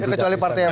kecuali partai yang